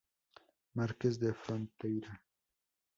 Marquês de Fronteira".